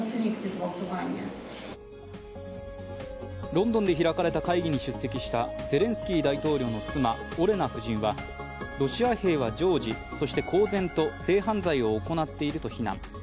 ロンドンで開かれた会議に出席したゼレンスキー大統領の妻オレナ夫人はロシア兵は常時、そして公然と性犯罪を行っていると非難。